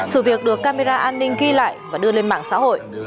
sự việc được camera an ninh ghi lại và đưa lên mạng xã hội